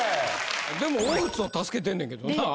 でも大津を助けてんねんけどなぁ。